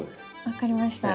分かりました。